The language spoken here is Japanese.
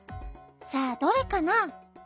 さあどれかな？